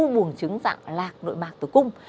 u bùng trứng dạng lạc nội mạc tử cung